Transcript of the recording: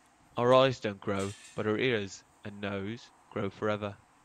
Our eyes don‘t grow, but our ears and nose grow forever.